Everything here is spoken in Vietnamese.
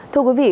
thưa quý vị